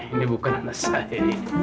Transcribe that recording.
ini bukan anak saya